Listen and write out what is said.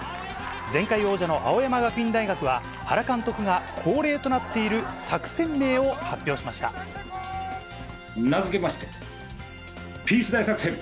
前回王者の青山学院大学は、原監督が、恒例となっている作戦名付けまして、ピース大作戦。